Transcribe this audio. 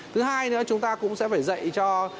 thứ hai nữa chúng ta cũng sẽ phải dạy cho